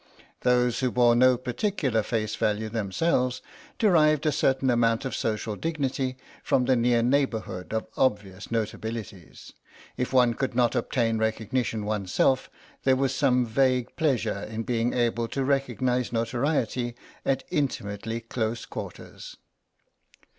Those who bore no particular face value themselves derived a certain amount of social dignity from the near neighbourhood of obvious notabilities; if one could not obtain recognition oneself there was some vague pleasure in being able to recognise notoriety at intimately close quarters.